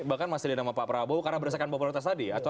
bahkan masih ada nama pak prabowo karena berdasarkan popularitas tadi